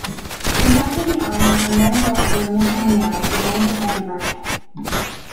The size of the army, and therefore of the limitanei, remains controversial.